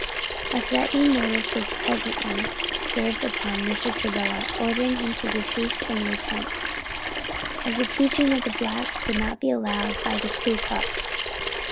A threatening notice was presently served upon Mr. Travilla, ordering him to desist from the attempt, as the teaching of the blacks would not be allowed by the Ku Klux.